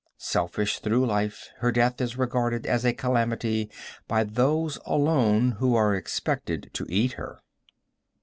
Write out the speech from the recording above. Selfish through life, her death is regarded as a calamity by those alone who are expected to eat her.